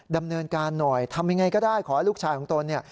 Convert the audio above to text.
ดำเนินการหน่อยทำยังไงก็ได้ขอให้ลูกชายของตนเนี่ย